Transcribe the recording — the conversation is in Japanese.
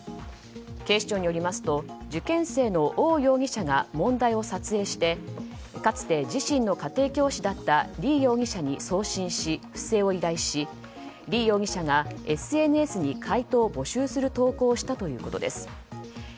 警視庁によりますと受験生のオウ容疑者が問題を撮影してかつて自身の家庭教師だったリ容疑者に送信し不正を依頼しリ容疑者がＳＮＳに回答を募集する投稿をしたということです。